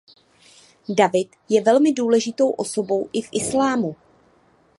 David je velmi důležitou osobou i v islámu.